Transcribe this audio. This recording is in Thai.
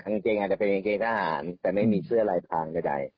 กางเกงอาจจะเป็นกางเกงทหารแต่ไม่มีเสื้อลายพรางก็ได้